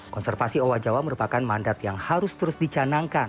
konservasi owa jawa merupakan mandat yang harus terus dicanangkan